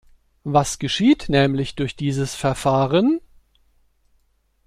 Was geschieht nämlich durch dieses Verfahren?